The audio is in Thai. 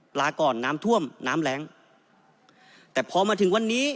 ลาก่อนน้ำท่วมน้ำแรงแต่พอมาถึงวันนี้